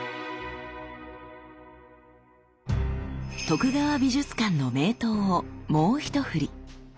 徳川美術館の名刀をもうひとふり。